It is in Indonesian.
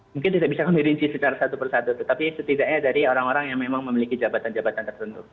mungkin tidak bisa kami dirinci secara satu persatu tetapi setidaknya dari orang orang yang memang memiliki jabatan jabatan tertentu